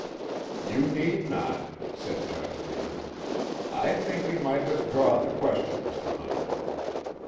"You need not," said Judge Mann. "I think you might withdraw the question, Mr. Hunter."